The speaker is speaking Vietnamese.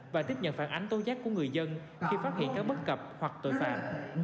và tiếp nhận phản ánh tố giác của người dân khi phát hiện các bất cập hoặc tội phạm